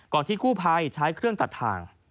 ก่อนที่คู่ภัยใช้เครื่องตัดถัง